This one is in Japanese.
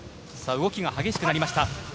動きが激しくなりました。